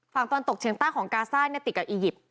ฝั่งตะวันตกเฉียงใต้ของกาซ่าติดกับอียิปต์